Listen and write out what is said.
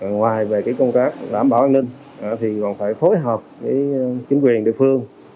ngoài về công tác đảm bảo an ninh thì còn phải phối hợp với chính quyền địa phương